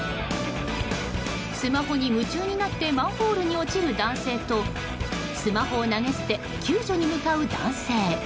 スマホに夢中になってマンホールに落ちる男性とスマホを投げ捨て救助に向かう男性。